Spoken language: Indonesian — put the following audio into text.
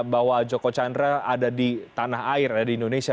bahwa joko chandra ada di tanah air ada di indonesia